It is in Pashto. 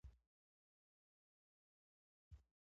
په افغانستان کې نور داسې کسان هم شته.